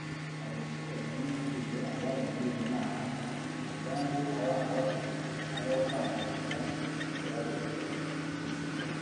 Alexis Kagame yabwiye abari muri iyi nama ko umugambi aba bafite ari uwo kwangiza ibyagezweho